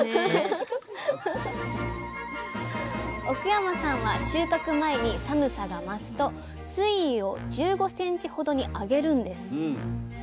奥山さんは収穫前に寒さが増すと水位を１５ｃｍほどに上げるんです。